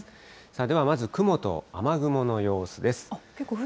ではまず雲と雨雲の様子です。